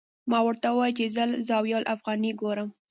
ما ورته وویل چې زه الزاویة الافغانیه ګورم.